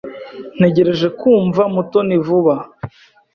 Ntegereje kumva Mutoni vuba.